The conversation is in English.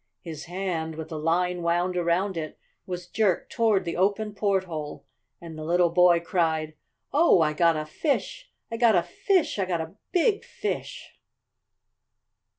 His hand, with the line wound around it, was jerked toward the open porthole and the little boy cried: "Oh, I got a fish! I got a fish! I got a big fish!"